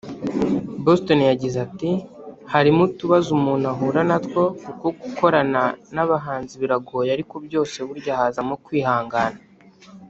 Boston yagize ati “Harimo utubazo umuntu ahura natwo kuko gukorana n’abahanzi biragoye ariko byose burya hazamo kwihangana